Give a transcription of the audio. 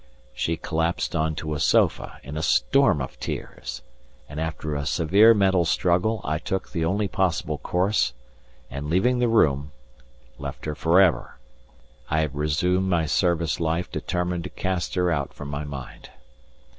She collapsed on to a sofa in a storm of tears, and after a severe mental struggle I took the only possible course, and leaving the room left her for ever. I have resumed my service life determined to cast her out from my mind.